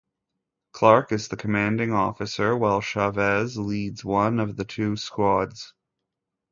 Clark is the commanding officer, while Chavez leads one of the two squads.